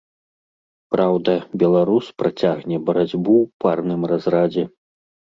Праўда, беларус працягне барацьбу ў парным разрадзе.